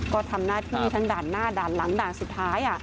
ก็ทำหน้าที่ทั้งด่านหน้าด่านหลังด่านสุดท้าย